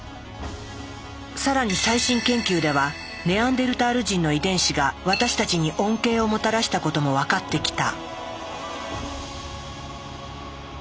さらに最新研究ではネアンデルタール人の遺伝子が私たちに恩恵をもたらしたことも分かってきた。